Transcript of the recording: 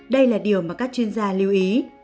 đây là điều mà các chuyên gia lưu ý